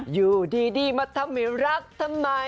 อยู่ดีมาทำให้รักทำไม